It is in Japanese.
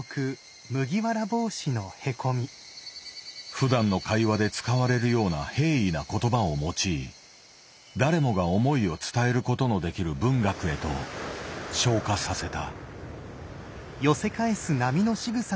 ふだんの会話で使われるような平易な言葉を用い誰もが思いを伝えることのできる文学へと昇華させた。